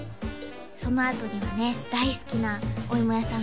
そのあとにはね大好きなおいもやさん